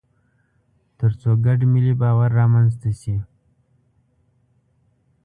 تر څو ګډ ملي باور رامنځته شي.